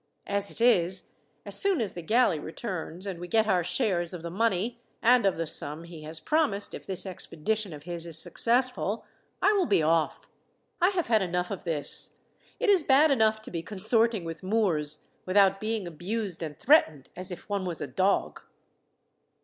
As it is, as soon as the galley returns, and we get our shares of the money, and of the sum he has promised if this expedition of his is successful, I will be off. I have had enough of this. It is bad enough to be consorting with Moors, without being abused and threatened as if one was a dog."